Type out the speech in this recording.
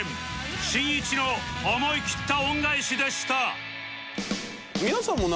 しんいちの思い切った恩返しでした